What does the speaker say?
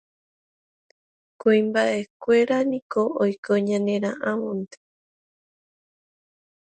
Kuimbaʼekuéra niko oiko ñaneraʼãvonte.